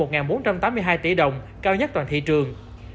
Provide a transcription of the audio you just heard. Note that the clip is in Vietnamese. trong tám mươi hai tỷ đồng cao nhất toàn thị trường